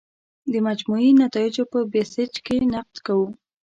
د مجموعي نتایجو په بیسج کې نقد کوو.